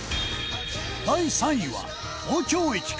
第３位は東京駅か？